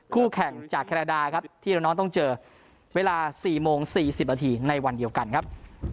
คู่แข่งจากแคนาดาครับที่น้องต้องเจอเวลา๔โมง๔๐นาทีในวันเดียวกันครับ